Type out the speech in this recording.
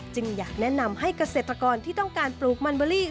อยากแนะนำให้เกษตรกรที่ต้องการปลูกมันเบอรี่